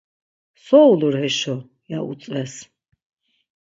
So ulur heşo? ya utzves.